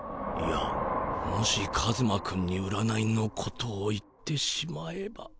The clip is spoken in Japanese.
もしカズマ君に占いのことを言ってしまえば。